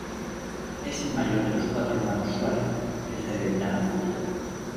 Es el mayor de los cuatro hermanos Suárez, que se dedican al fútbol.